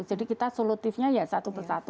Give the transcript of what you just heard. jadi kita solutifnya ya itu satu persatu